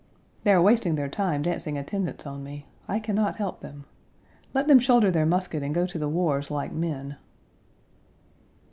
Page 144 They are wasting their time dancing attendance on me. I can not help them. Let them shoulder their musket and go to the wars like men.